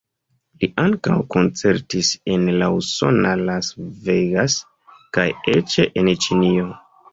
Li ankaŭ koncertis en la usona Las Vegas kaj eĉ en Ĉinio.